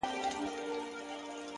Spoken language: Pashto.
د زړگي ښار ته مي لړم د لېمو مه راوله-